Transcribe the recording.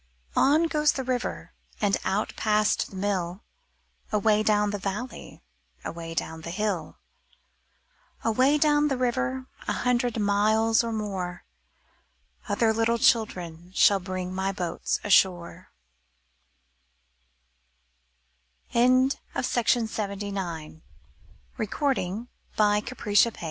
On goes the river And out past the mill. Away down the valley. Away down the hill. Away down the river, A hundred miles or more, Other little children Shall bring my boats ashore, 23a IN THE NURSERY PAPER boats'' Rabindranath Tag